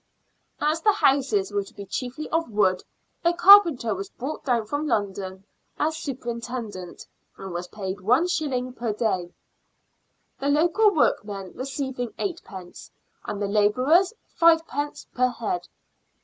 As the houses were to be chiefly of wood, a carpenter was brought down from London as super intendent, and was paid one shilling per day, the local HOUSES ERECTED BY CORPORATION. 29 workmen receiving eightpence, and the labourers fivepence per head.